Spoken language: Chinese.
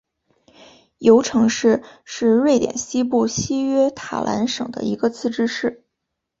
尤城市是瑞典西部西约塔兰省的一个自治市。